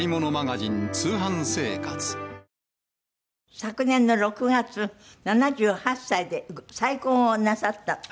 昨年の６月７８歳で再婚をなさった。